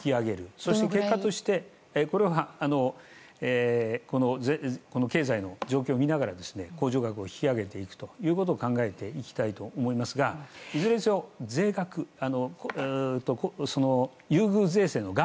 そして結果として経済の状況を見ながら控除額を引き上げていくということを考えていきたいと思いますがいずれにせよ優遇税制の額